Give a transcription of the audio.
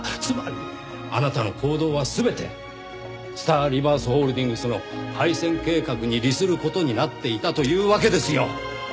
つまりあなたの行動は全てスターリバーズホールディングスの廃線計画に利する事になっていたというわけですよ！